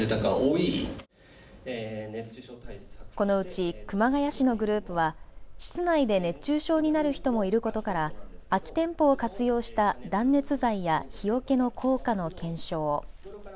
このうち熊谷市のグループは室内で熱中症になる人もいることから空き店舗を活用した断熱材や日よけの効果の検証。